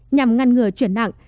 nhằm ngăn ngừa chuyển nặng